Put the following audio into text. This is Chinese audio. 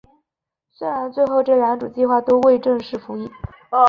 虽然最后这两种计划都未正式服役。